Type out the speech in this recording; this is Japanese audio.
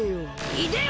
いでよ！